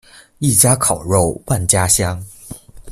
一家烤肉萬家香